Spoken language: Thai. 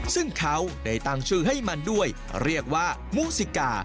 ซึ่งเขาได้ตั้งชื่อให้มันด้วยเรียกว่ามุสิกา